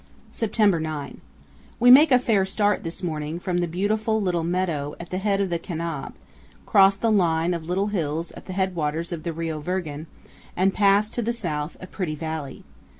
September 9. We make a fair start this morning from the beautiful meadow at the head of the Kanab, cross the line of little hills at the headwaters of the Rio Virgen, and pass, to the south, a pretty valley.